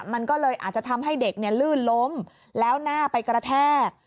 มันก็เลยอาจจะทำให้เด็กลื่นล้มแล้วหน้าไปกระแทก